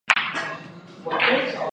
生活中的每一分细节